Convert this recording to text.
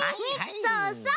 そうそう！